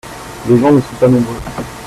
Les gens ne sont pas nombreux.